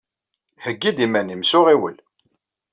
Heyyi-d iman-im s uɣiwel.